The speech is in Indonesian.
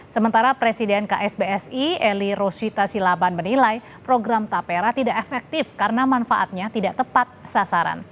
sementara presiden ksbsi eli rosita silaban menilai program tapera tidak efektif karena manfaatnya tidak tepat sasaran